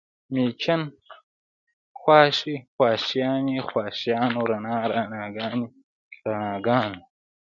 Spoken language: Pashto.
مېچن، خواښې، خواښیانې، خواښیانو، رڼا، رڼاګانې، رڼاګانو